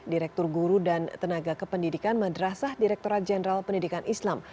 direktur guru dan tenaga kependidikan madrasah direkturat jenderal pendidikan islam